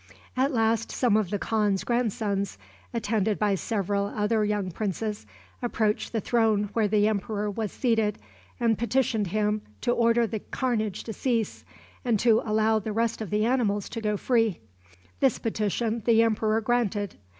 At last some of the khan's grandsons, attended by several other young princes, approached the throne where the emperor was seated, and petitioned him to order the carnage to cease, and to allow the rest of the animals to go free. This petition the emperor granted.